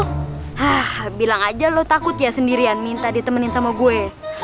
hah bilang aja lo takut ya sendirian minta ditemenin sama gue